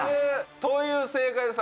という正解でした。